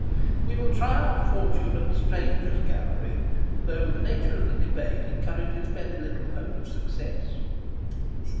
We will try our fortune at the Strangers' Gallery, though the nature of the debate encourages very little hope of success.